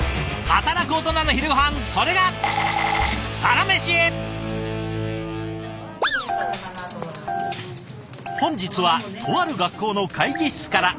働くオトナの昼ごはんそれが本日はとある学校の会議室から。